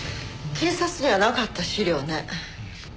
警察にはなかった資料ね。